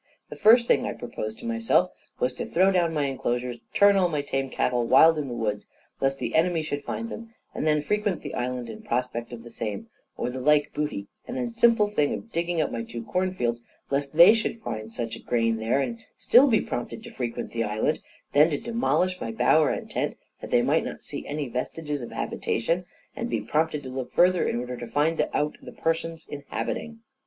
The first thing I proposed to myself was, to throw down my enclosures, and turn all my tame cattle wild into the woods, lest the enemy should find them, and then frequent the island in prospect of the same or the like booty; then the simple thing of digging up my two corn fields, lest they should find such a grain there, and still be prompted to frequent the island; then to demolish my bower and tent, that they might not see any vestiges of habitation, and be prompted to look farther, in order to find out the persons inhabiting.